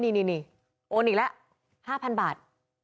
นี่โอนอีกแล้ว๕๐๐๐บาท